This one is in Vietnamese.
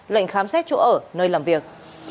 lệnh khám xét chỗ ở nơi làm việc